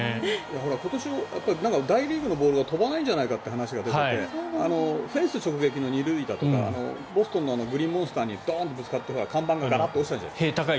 今年の大リーグのボールは飛ばないんじゃないかという話が出ていてフェンス直撃の２塁打とかボストンのグリーンモンスターにドンとぶつかって看板が落ちたじゃないですか。